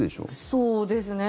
そうですね。